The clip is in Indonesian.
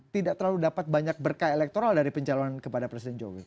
tidak terlalu dapat banyak berkah elektoral dari pencalonan kepada presiden jokowi